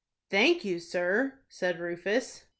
"Thank you, sir," said Rufus.